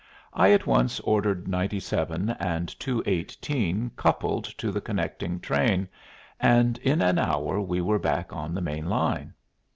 I at once ordered 97 and 218 coupled to the connecting train, and in an hour we were back on the main line.